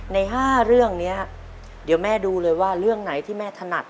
ใน๕เรื่องนี้เดี๋ยวแม่ดูเลยว่าเรื่องไหนที่แม่ถนัด